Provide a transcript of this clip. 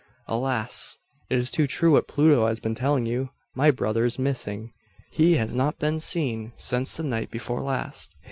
"Alas! it is too true what Pluto has been telling you. My brother is missing. He has not been seen since the night before last.